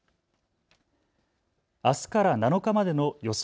あすから７日までの予想